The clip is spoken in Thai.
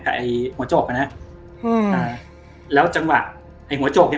กับไอหัวโจกนะแล้วจังหวะไอหัวโจกเนี่ย